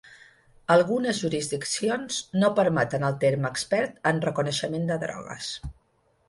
Algunes jurisdiccions no permeten el terme Expert en reconeixement de drogues.